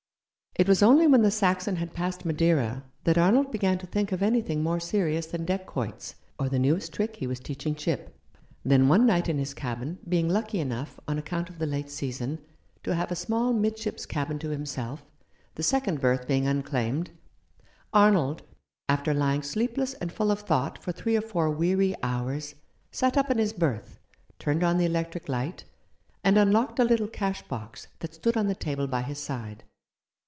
It was only when the Saxon had passed Madeira that Arnold began to think of anything more serious than deck quoits, or the newest trick he was teaching Chip. Then, one night in his cabin, being lucky enough, on account of the late season, to have a small mid ships cabin to himself, the second berth bein° unclaimed, Arnold, after lying sleepless and full \6 " How should I greet Thee Q u of thought for three or four weary hours, sat up in his berth, turned on the electric light, and un locked a little cash box that stood on the table by his side.